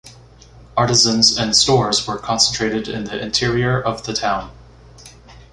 Artisans and stores were concentrated in the interior of the town.